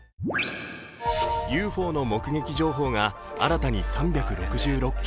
ＵＦＯの目撃情報が新たに３６６件。